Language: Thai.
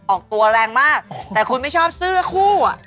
ออกตัวแรงมากแต่คุณไม่ชอบเสื้อคู่อ่ะ